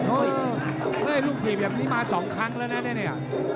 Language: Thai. โอ้ยลูกถีบอย่างนี้มา๒ครั้งแล้วนะนี่